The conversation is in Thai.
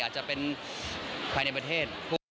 อาจจะเป็นภายในประเทศ